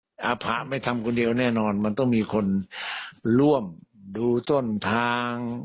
แต่อภะไม่ทำคนเดียวแน่นอนมันต้องมีคนร่วมดูต้นทาง